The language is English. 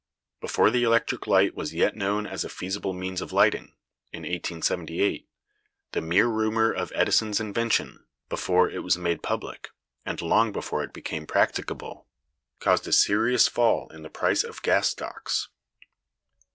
Before the electric light was yet known as a feasible means of lighting (in 1878), the mere rumor of Edison's invention, before it was made public, and long before it became practicable, caused a serious fall in the price of gas stocks.